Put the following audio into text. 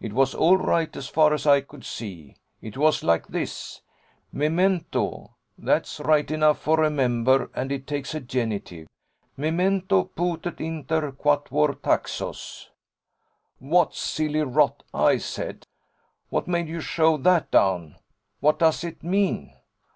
"It was all right as far as I could see: it was like this: Memento that's right enough for remember, and it takes a genitive, memento putei inter quatuor taxos." "What silly rot!" I said. "What made you shove that down? What does it mean?"